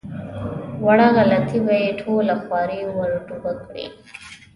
وړه غلطي به یې ټوله خواري ور ډوبه کړي.